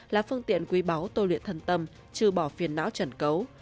là phương tiện quý báu tô luyện thần tâm trừ bỏ phiền não trần cấu